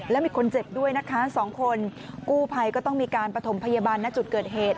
แล้วมีคนเจ็บด้วยนะคะสองคนกู้ภัยก็ต้องมีการประถมพยาบาลณจุดเกิดเหตุ